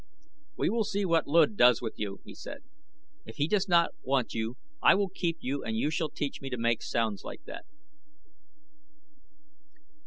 "We will see what Luud does with you," he said. "If he does not want you I will keep you and you shall teach me to make sounds like that."